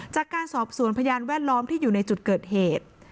จากการสอบสวนพยานแวดล้อมที่อยู่ในจุดเกิดเหตุ